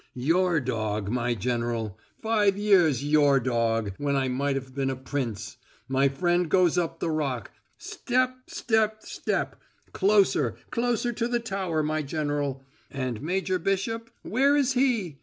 "Your dog, my General. Five years your dog, when I might have been a prince. My friend goes up the Rock step step step. Closer closer to the tower, my General. And Major Bishop where is he?